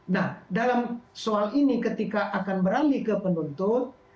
nah dalam soal ini ketika akan beralih ke penuntut